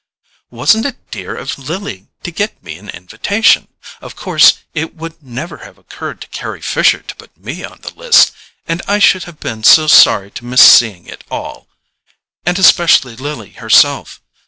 "Wasn't it dear of Lily to get me an invitation? Of course it would never have occurred to Carry Fisher to put me on the list, and I should have been so sorry to miss seeing it all—and especially Lily herself.